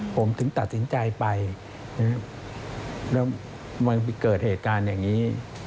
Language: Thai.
ผมถึงตัดสินใจไปแล้วมันเกิดเหตุการณ์อย่างนี้